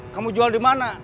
kamu jual di mana